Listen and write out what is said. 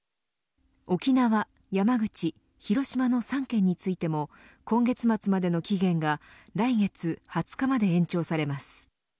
沖縄、山口、広島の３県についても今月末までの期限が来月２０日まで延長されます。